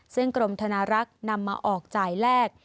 ซึ่งกรมธนารักษ์นำมาออกจ่ายแรก